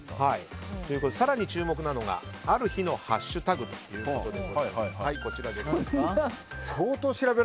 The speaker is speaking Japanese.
更に注目なのがある日のハッシュタグということで。